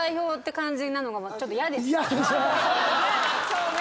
そうよね。